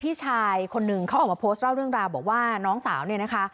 พี่ชายคนนึงเขาออกมาโพสต์เล่าเรื่องราวบอกว่าน้องสาวเนี่ยนะคะ